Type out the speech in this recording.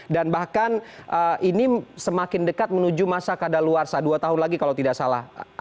dan bahkan ini semakin dekat menuju masa kadal luarsa dua tahun lagi kalau tidak salah